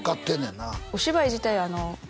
なお芝居自体